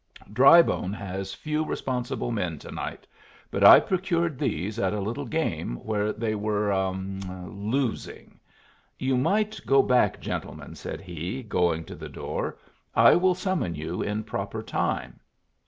Drybone has few responsible men to night, but I procured these at a little game where they were ah losing. You may go back, gentlemen," said he, going to the door. "I will summon you in proper time."